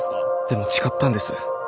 でも誓ったんです。